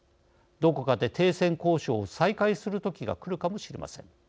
どこかで停戦交渉を再開するときがくるかもしれません。